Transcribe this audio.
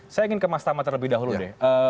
saya ingin ke mas tama terlebih dahulu deh